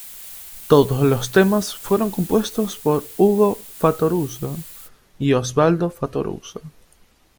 Todos los temas fueron compuestos por Hugo Fattoruso y Osvaldo Fattoruso.